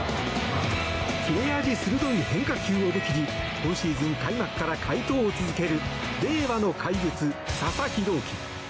切れ味鋭い変化球を武器に今シーズン開幕から快投を続ける令和の怪物、佐々木朗希。